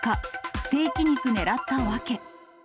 ステーキ肉狙った訳。